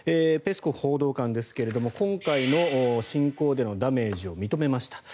ペスコフ報道官ですが今回の侵攻でのダメージを認めました。